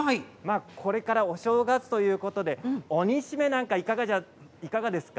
これからお正月ということでお煮しめなんかはいかがですか？